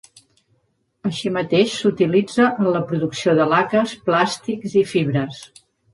Així mateix s'utilitza en la producció de laques, plàstics i fibres.